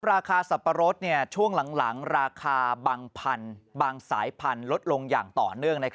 สับปะรดช่วงหลังราคาบางสายพันธุ์ลดลงอย่างต่อเนื่อง